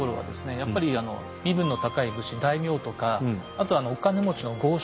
やっぱり身分の高い武士大名とかあとはお金持ちの豪商